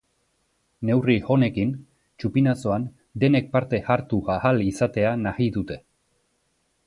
Neurri honekin, txupinazoan denek parte hartu ahal izatea nahi dute.